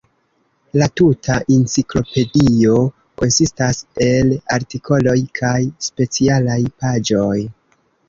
La tuta enciklopedio konsistas el artikoloj kaj specialaj paĝoj.